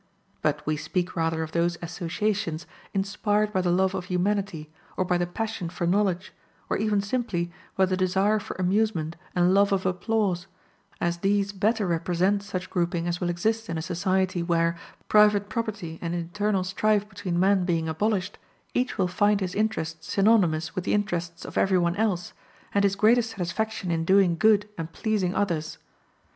But we speak rather of those associations inspired by the love of humanity, or by the passion for knowledge, or even simply by the desire for amusement and love of applause, as these better represent such grouping as will exist in a society where, private property and internal strife between men being abolished, each will find his interests synonymous with the interests of every one else, and his greatest satisfaction in doing good and pleasing others.